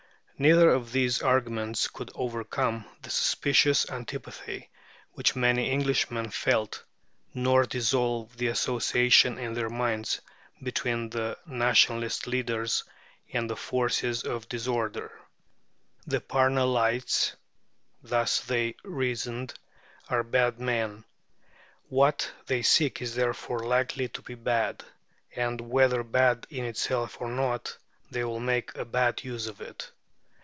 Neither of these arguments could overcome the suspicious antipathy which many Englishmen felt, nor dissolve the association in their minds between the Nationalist leaders and the forces of disorder. The Parnellites (thus they reasoned) are bad men; what they seek is therefore likely to be bad, and whether bad in itself or not, they will make a bad use of it.